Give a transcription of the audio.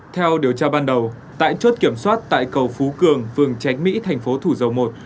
theo điều tra ban đầu tại chốt kiểm soát tại cầu phú cường phường tránh mỹ thành phố thủ dầu một